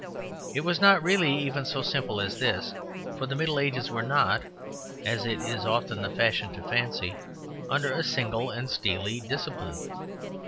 It was not really even so simple as this; for the Middle Ages were not, as it is often the fashion to fancy, under a single and steely discipline.